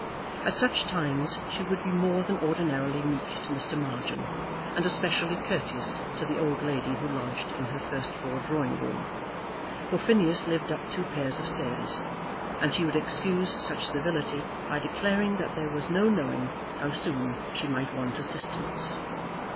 At such times she would be more than ordinarily meek to Mr. Margin, and especially courteous to the old lady who lodged in her first floor drawing room, for Phineas lived up two pairs of stairs, and she would excuse such servility by declaring that there was no knowing how soon she might want assistance.